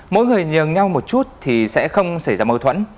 mỗi người nhường nhau một chút thì sẽ không xảy ra mâu thuẫn